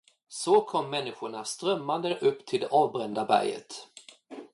Så kom människorna strömmande upp till det avbrända berget.